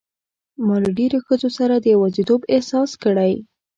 ما له ډېرو ښځو سره د یوازیتوب احساس کړی.